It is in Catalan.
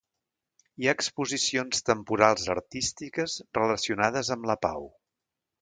Hi ha exposicions temporals artístiques relacionades amb la pau.